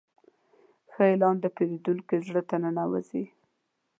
ښه اعلان د پیرودونکي زړه ته ننوځي.